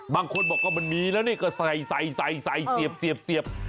บางคนบอกว่ามันมีแล้วนี่ก็ใส่ใส่เสียบ